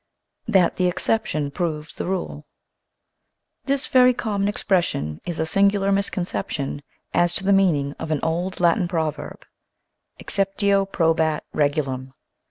THAT "THE EXCEPTION PROVES THE RULE" HIS very common expression is a singular mis conception as to the meaning of an old Latin proverb, Exceptio probat regulam.